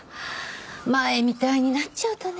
前みたいになっちゃうとね。